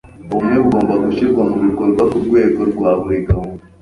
ubumwe bugomba gushyirwa mu bikorwa ku rwego rwa buri gahunda